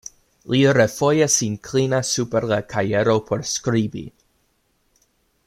Li refoje sin klinas super la kajero por skribi.